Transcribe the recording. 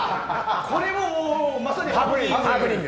これもまさにハプニング。